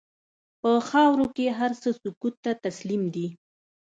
په خاوره کې هر څه سکوت ته تسلیم دي.